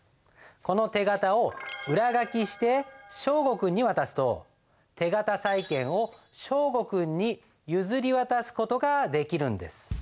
この手形を裏書して祥伍君に渡すと手形債権を祥伍君に譲り渡す事ができるんです。